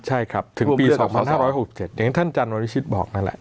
ใช่ครับถึงปี๒๕๖๗อย่างท่านจันทวิชิตบอกนั่นแหละ